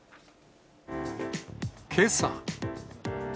けさ。